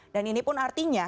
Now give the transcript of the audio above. dan ini pun artinya